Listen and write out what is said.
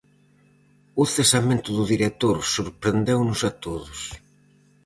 O cesamento do director sorprendeunos a todos.